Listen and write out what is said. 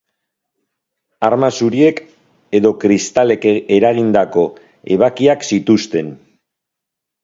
Arma zuriek edo kristalek eragindako ebakiak zituzten.